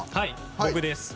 僕です。